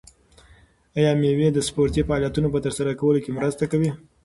آیا مېوې د سپورتي فعالیتونو په ترسره کولو کې مرسته کوي؟